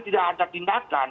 tidak ada tindakan